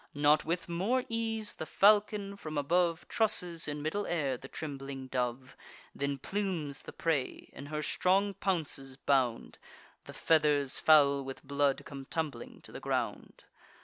Not with more ease the falcon, from above, Trusses in middle air the trembling dove, Then plumes the prey, in her strong pounces bound: The feathers, foul with blood, come tumbling to the ground.